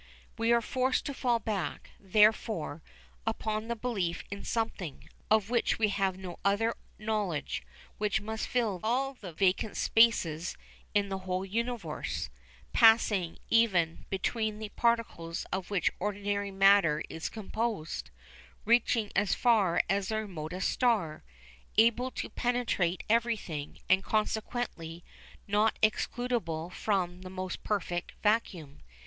We are forced to fall back, therefore, upon the belief in something, of which we have no other knowledge, which must fill all the vacant spaces in the whole universe, passing, even, between the particles of which ordinary matter is composed, reaching as far as the remotest star, able to penetrate everything, and consequently not excludable from the most perfect vacuum.